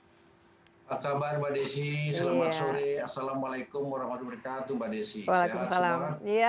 apa kabar mbak desi selamat sore assalamualaikum warahmatullahi wabarakatuh mbak desi sehat semua